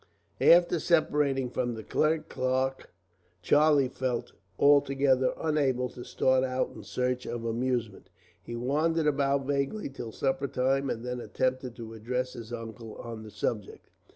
After separating from the clerk, Charlie felt altogether unable to start out in search of amusement. He wandered about vaguely till supper time, and then attempted to address his uncle on the subject.